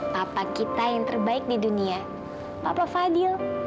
papa kita yang terbaik di dunia papa fadil